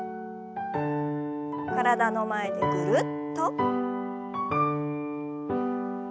体の前でぐるっと。